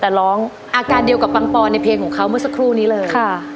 แต่ร้องอาการเดียวกับปังปอนในเพลงของเขาเมื่อสักครู่นี้เลยค่ะ